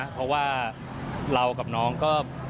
เพราะว่าเรากับน้องก็